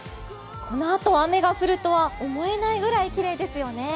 このあと雨が降るとは思えないくらいきれいですよね。